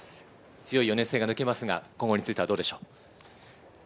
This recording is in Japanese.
強い４年生が抜けますが、今後についてはどうでしょうか？